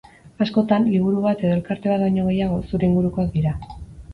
Askotan, liburu bat edo elkarte bat baino gehiago, zure ingurukoak dira.